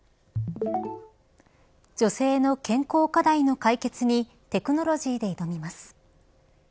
女性の健康課題の解決にテクノロジーで挑みます。